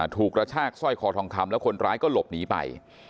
กระชากสร้อยคอทองคำแล้วคนร้ายก็หลบหนีไป